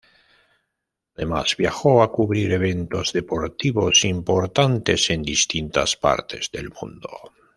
Además, viajó a cubrir eventos deportivos importantes en distintas partes del mundo.